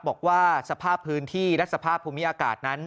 บอกว่าสภาพพื้นที่และสภาพภูมิอากาศนั้น